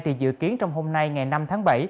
thì dự kiến trong hôm nay ngày năm tháng bảy